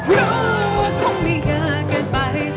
รู้ว่าคงไม่อยากกันไป